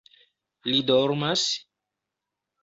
Li dormas?